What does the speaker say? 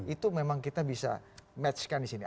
itu memang kita bisa match kan di sini